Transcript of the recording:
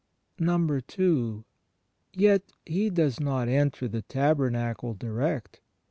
n. Yet He does not enter the Tabernacle direct.